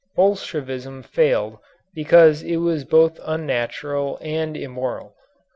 Bolshevism failed because it was both unnatural and immoral.